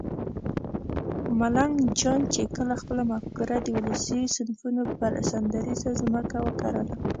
ملنګ جان چې کله خپله مفکوره د ولسي صنفونو پر سندریزه ځمکه وکرله